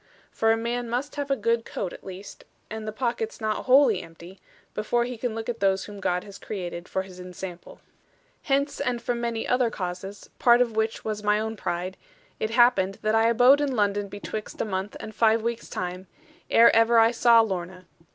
For a man must have a good coat at least, and the pockets not wholly empty, before he can look at those whom God has created for his ensample. Hence, and from many other causes part of which was my own pride it happened that I abode in London betwixt a month and five weeks' time, ere ever I saw Lorna.